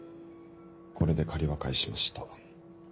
これで借りは返しました。